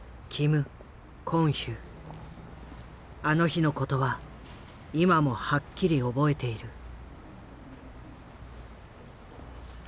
あの日のことは今もはっきり覚えている。